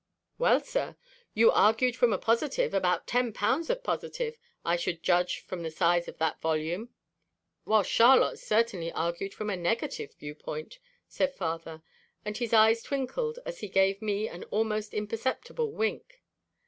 "Well, sir, you argued from a positive, about ten pounds of positive, I should judge from the size of that volume, while Charlotte certainly argued from a negative viewpoint," said father, and his eyes twinkled as he gave me an almost imperceptible wink.